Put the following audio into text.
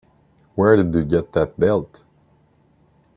Where'd you get that belt?